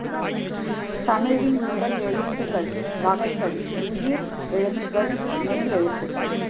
தமிழின் முதல் எழுத்துகள் வகைகள்: உயிர் எழுத்துகள் மெய் எழுத்துகள்